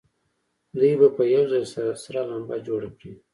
دوی به په یوه ځل سره لمبه جوړه کړي.